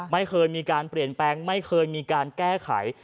ไม่เคยมีการเปลี่ยนแปลงไม่เคยมีการแก้ไข